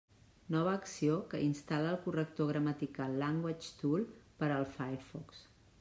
Nova acció que instal·la el corrector gramatical LanguageTool per al Firefox.